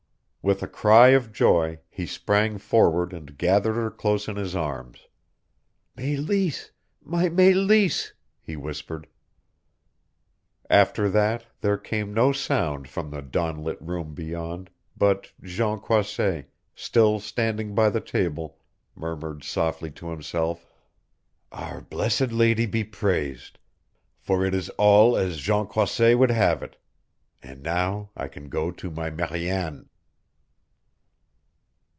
With a cry of joy he sprang forward and gathered her close in his arms. "Meleese my Meleese " he whispered. After that there came no sound from the dawn lit room beyond, but Jean Croisset, still standing by the table, murmured softly to himself: "Our Blessed Lady be praised, for it is all as Jean Croisset would have it and now I can go to my Mariane!"